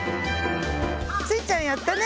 スイちゃんやったね！